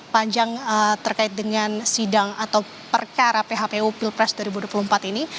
panjang terkait dengan sidang atau perkara phpu pilpres dua ribu dua puluh empat ini